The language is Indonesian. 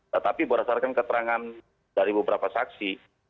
tetapi berdasarkan keterangan dari beberapa saksi